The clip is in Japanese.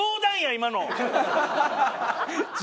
今の。